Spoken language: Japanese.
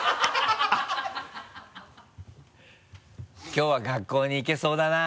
「きょうは学校に行けそうだな」